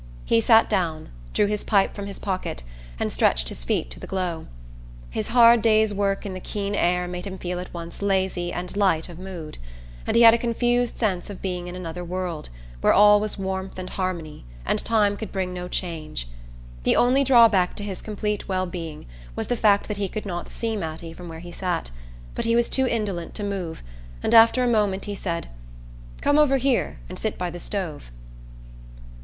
He sat down, drew his pipe from his pocket and stretched his feet to the glow. His hard day's work in the keen air made him feel at once lazy and light of mood, and he had a confused sense of being in another world, where all was warmth and harmony and time could bring no change. The only drawback to his complete well being was the fact that he could not see Mattie from where he sat; but he was too indolent to move and after a moment he said: "Come over here and sit by the stove."